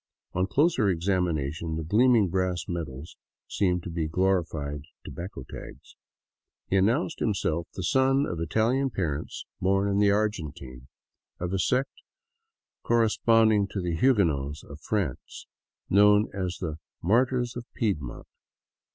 On closer examination the gleaming brass medals seemed to be glorified tobacco tags. He announced him self the son of Italian parents, born in the Argentine, of a sect corre sponding to the Huguenots of France, known as the '* martyrs of Pied mont."